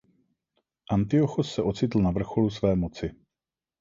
Antiochos se ocitl na vrcholu své moci.